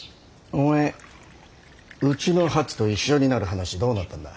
お前うちの初と一緒になる話どうなったんだ。